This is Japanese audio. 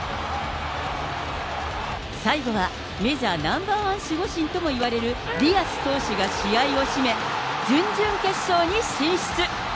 最後はメジャーナンバー１守護神ともいわれる、ディアス投手が試合を閉め、準々決勝に進出。